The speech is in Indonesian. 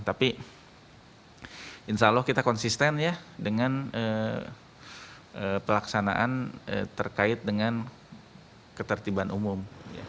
tapi insya allah kita konsisten ya dengan pelaksanaan terkait dengan ketertiban umum